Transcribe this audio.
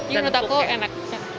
ini menurut aku enak